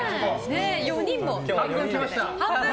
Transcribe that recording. ４人も。